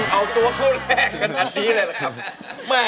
เอาตัวเข้าแรกกันอันนี้เลยล่ะครับ